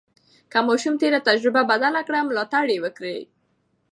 که ماشوم تېره تجربه بدله کړه، ملاتړ یې وکړئ.